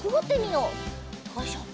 よいしょ。